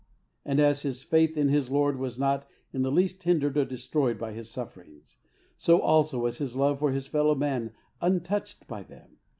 And as his faith in his Lord was not in the least hindered or destroyed by his sufferings, so also was his love for his fellow men untouched by them.